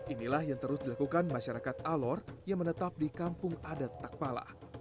inilah yang terus dilakukan masyarakat alor yang menetap di kampung adat takpala